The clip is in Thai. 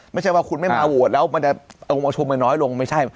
ไม่ใช่ว่าคุณไม่มาโหวตแล้วมันจะประชุมมันน้อยลงไม่ใช่